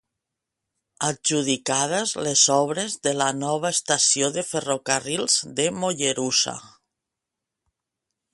Adjudicades les obres de la nova estació de ferrocarrils de Mollerussa.